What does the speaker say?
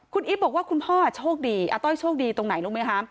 คุณอีฟบอกว่าคุณพ่อโชคดีอาต้อยโชคดีตรงไหนรู้ไหมคะ